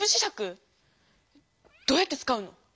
どうやってつかうの？